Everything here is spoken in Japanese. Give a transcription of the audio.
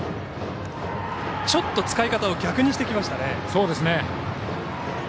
ちょっと使い方を逆にしてきましたね。